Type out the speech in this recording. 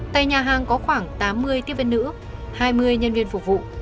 tại nhà hàng có khoảng tám mươi tiếp viên nữ hai mươi nhân viên phục vụ